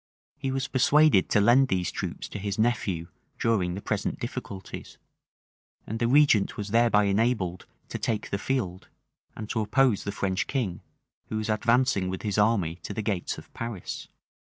He was persuaded to lend these troops to his nephew during the present difficulties;[] and the regent was thereby enabled to take the field, and to oppose the French king, who was advancing with his army to the gates of Paris.